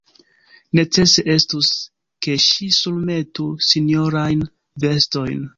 Necese estus, ke ŝi surmetu sinjorajn vestojn.